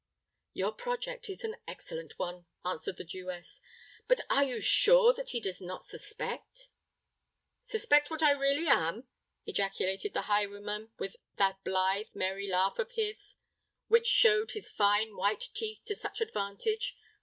"Your project is an excellent one," answered the Jewess. "But are you sure that he does not suspect——" "Suspect what I really am!" ejaculated the highwayman, with that blithe, merry laugh of his which showed his fine white teeth to such advantage.